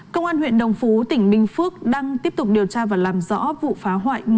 công an huyện đồng phú tỉnh bình phước đang tiếp tục điều tra và làm rõ vụ phá hoại